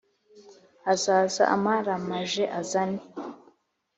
Azaza amaramaje azane